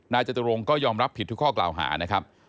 จตุรงก็ยอมรับผิดทุกข้อกล่าวหานะครับ